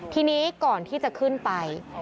ทีนี้ก่อนที่จะขึ้นไป